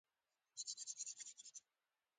دا ځواک د پرمختګ انګېزه ده.